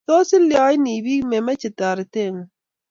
tos ilionibiik chemechei toretengung